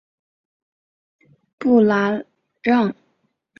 布拉让。